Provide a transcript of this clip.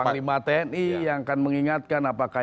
panglima tni yang akan mengingatkan apakah